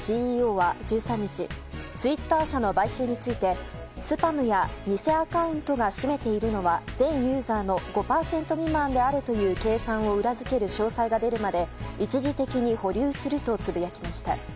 ＣＥＯは１３日ツイッター社の買収についてスパムや偽アカウントが占めているのは全ユーザーの５％未満であるという計算を裏付ける詳細が出るまで一時的に保留するとつぶやきました。